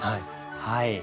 はい。